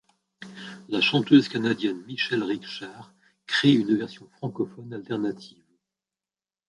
La chanteuse canadienne Michèle Richard crée une version francophone alternative.